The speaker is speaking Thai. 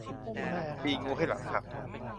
ตีงูให้หลังหัก